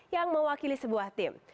yang mewakili sebuah tim